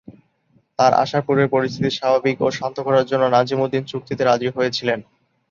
তার আসার পূর্বে পরিস্থিতি স্বাভাবিক ও শান্ত করার জন্য নাজিমুদ্দিন চুক্তিতে রাজি হয়েছিলেন।